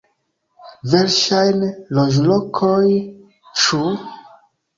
Verŝajne, loĝlokoj, ĉu?